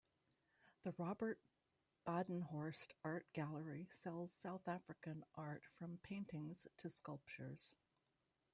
The Robert Badenhorst Art Gallery sells South African art from paintings to sculptures.